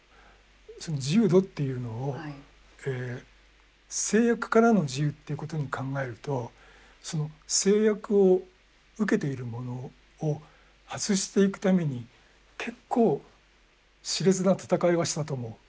自由度っていうのを制約からの自由っていうことに考えると制約を受けているものを外していくために結構熾烈な闘いはしたと思う。